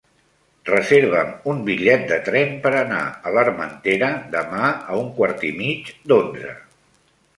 Reserva'm un bitllet de tren per anar a l'Armentera demà a un quart i mig d'onze.